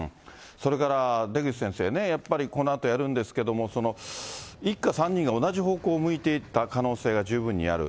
それから出口先生ね、やっぱり、このあとやるんですけれども、一家３人が同じ方向を向いていた可能性が十分にある。